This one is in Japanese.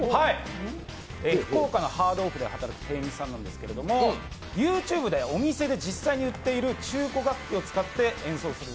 福岡のハードオフで働いている店員さんなんですけど、ＹｏｕＴｕｂｅでお店で実際に売っている中古楽器を使って演奏する